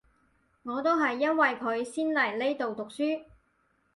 我都係因為佢先嚟呢度讀書